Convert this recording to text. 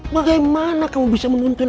bagaimana kamu bisa menuntun